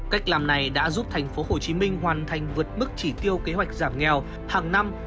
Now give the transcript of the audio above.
cách làm này đã giúp thành phố hồ chí minh hoàn thành vượt mức chỉ tiêu kế hoạch giảm nghèo hằng năm